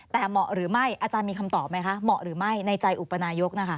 แต่เหมาะหรือไม่อาจารย์มีคำตอบไหมคะเหมาะหรือไม่ในใจอุปนายกนะคะ